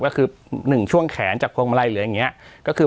ก็คือหนึ่งช่วงแขนจากพวงมาลัยหรืออย่างนี้ก็คือ